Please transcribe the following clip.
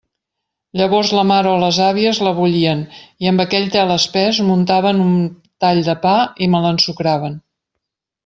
Llavors la mare o les àvies la bullien i amb aquell tel espès m'untaven un tall de pa i me l'ensucraven.